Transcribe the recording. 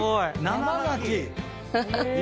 生ガキね！